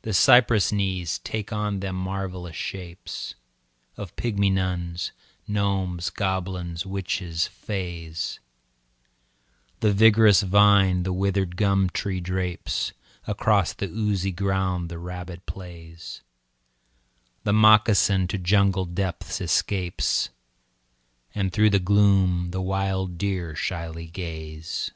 The cypress knees take on them marvellous shapes Of pygmy nuns, gnomes, goblins, witches, fays, The vigorous vine the withered gum tree drapes, Across the oozy ground the rabbit plays, The moccasin to jungle depths escapes, And through the gloom the wild deer shyly gaze.